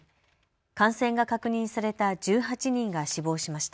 感染が確認された１８人が死亡しました。